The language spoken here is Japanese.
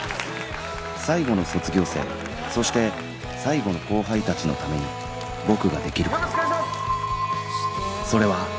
最後の卒業生そして最後の後輩たちのために僕ができる事それは